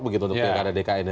begitu untuk pkk ddk ini